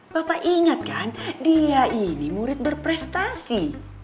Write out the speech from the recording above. bapak ingat kan dia ini murid berprestasi